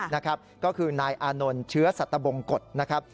นะครับก็คือนายอานนท์เชื้อสัตบงกฎนะครับ